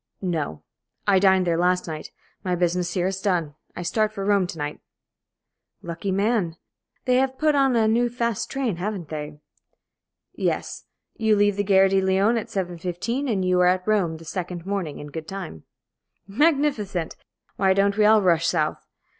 "No. I dined there last night. My business here is done. I start for Rome to night." "Lucky man. They have put on a new fast train, haven't they?" "Yes. You leave the Gare de Lyon at 7.15, and you are at Rome the second morning, in good time." "Magnificent! Why don't we all rush south?